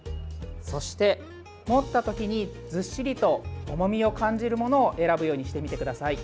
そして持った時にずっしりと重みを感じるものを選ぶようにしてみてください。